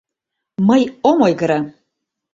Мый ом ойгыро!..